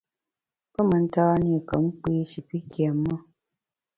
Pe mentan-i kom kpi shi pi kiém-e.